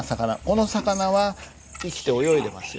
この魚は生きて泳いでますよね。